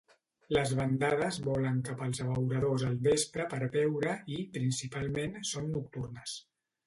Les bandades volen cap als abeuradors al vespre per veure i, principalment, són nocturnes.